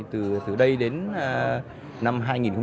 từ đây đến năm hai nghìn ba mươi